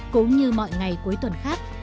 cũng như mọi ngày cuối tuần khác